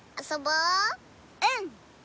うん！